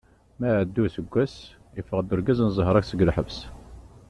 Mi iɛedda useggas, yeffeɣ-d urgaz n zahra seg lḥebs.